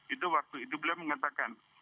itu waktu itu beliau mengatakan